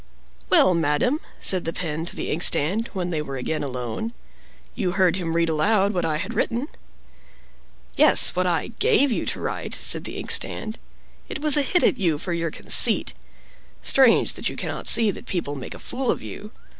"Well, madam," said the Pen to the Inkstand when they were again alone, "you heard him read aloud what I had written." "Yes, what I gave you to write," said the Ink stand. "It was a hit at you for your conceit. Strange that you cannot see that people make a fool of you!